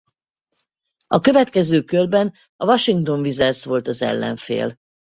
A következő körben a Washington Wizards volt az ellenfél.